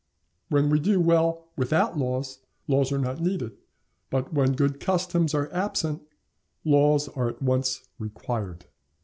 When we do well without laws, laws are not needed; but when good customs are absent, laws are at once required.